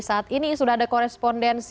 saat ini sudah ada korespondensi